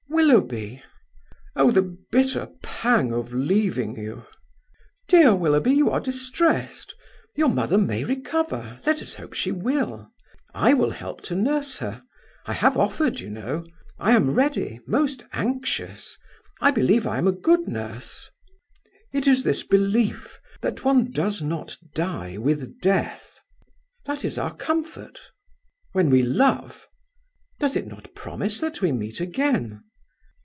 "Willoughby!" "Oh, the bitter pang of leaving you!" "Dear Willoughby, you are distressed; your mother may recover; let us hope she will; I will help to nurse her; I have offered, you know; I am ready, most anxious. I believe I am a good nurse." "It is this belief that one does not die with death!" "That is our comfort." "When we love?" "Does it not promise that we meet again?"